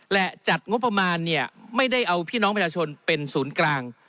และจัดงบประมาณเนี่ยไม่ได้เอาพี่น้องประชาชนเป็นศูนย์กลาง